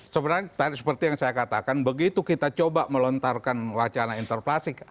sebenarnya tadi seperti yang saya katakan begitu kita coba melontarkan wacana interpelasi